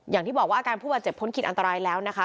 อย่างที่บอกว่าอาการผู้บาดเจ็บพ้นขิดอันตรายแล้วนะคะ